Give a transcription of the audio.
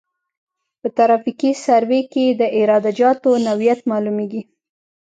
په ترافیکي سروې کې د عراده جاتو نوعیت معلومیږي